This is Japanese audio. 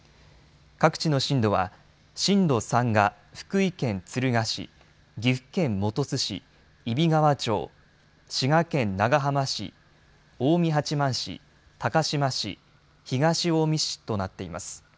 各地の震度は震度３が福井県敦賀市、岐阜県本巣市、揖斐川町、滋賀県長浜市、近江八幡市、高島市、東近江市となっています。